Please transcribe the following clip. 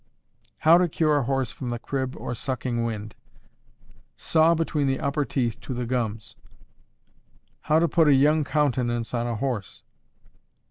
How to cure a horse from the crib or sucking wind. Saw between the upper teeth to the gums. _How to put a young countenance on a horse.